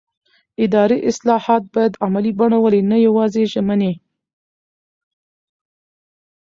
اداري اصلاحات باید عملي بڼه ولري نه یوازې ژمنې